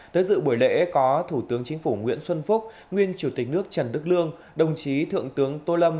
tới dự buổi lễ có thủ tướng chính phủ nguyễn xuân phúc nguyên chủ tịch nước trần đức lương đồng chí thượng tướng tô lâm